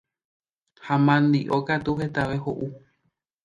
ha mandi'o katu hetave ho'u